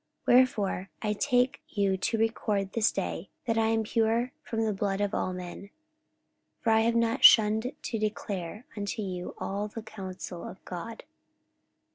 44:020:026 Wherefore I take you to record this day, that I am pure from the blood of all men. 44:020:027 For I have not shunned to declare unto you all the counsel of God.